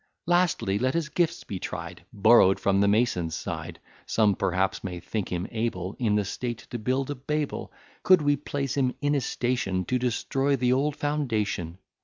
Lastly, let his gifts be tried, Borrow'd from the mason's side: Some perhaps may think him able In the state to build a Babel; Could we place him in a station To destroy the old foundation.